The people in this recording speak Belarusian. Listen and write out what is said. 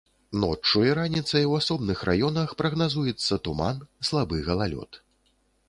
Ноччу і раніцай у асобных раёнах прагназуецца туман, слабы галалёд.